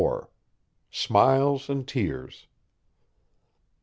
SMILES AND TEARS.